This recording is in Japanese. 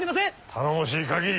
頼もしい限り。